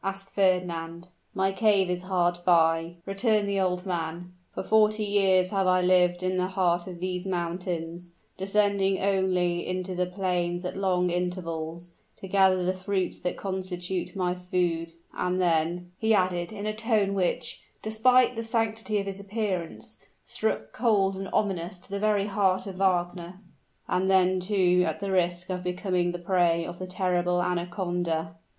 asked Fernand. "My cave is hard by," returned the old man. "For forty years have I lived in the heart of these mountains, descending only into the plains at long intervals, to gather the fruits that constitute my food: and then," he added, in a tone which, despite the sanctity of his appearance, struck cold and ominous to the very heart of Wagner, "and then, too, at the risk of becoming the prey of the terrible anaconda!"